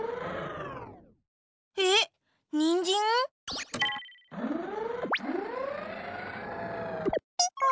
えっにんじん？ピポ。